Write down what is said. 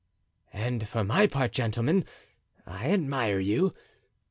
"And for my part, gentlemen, I admire you.